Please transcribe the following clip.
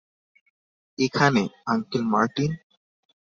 এখানে, uncle Martin.